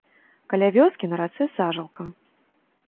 Каля вёскі на рацэ сажалка.